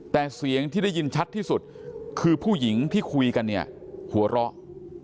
แต่เสียงที่ได้ยินชัดที่สุดคือผู้หญิงที่คุยกันเนี่ยหัวเราะ